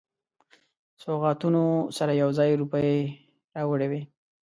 سوغاتونو سره یو ځای روپۍ راوړي وې.